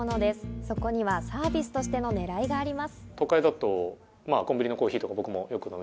そこにはサービスとしての狙いあります。